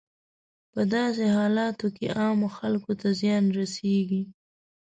په داسې حالاتو کې عامو خلکو ته زیان رسیږي.